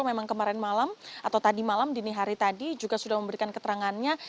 memang kemarin malam atau tadi malam dini hari tadi juga sudah memberikan keterangannya